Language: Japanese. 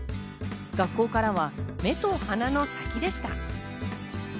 学校からは目と鼻の先でした。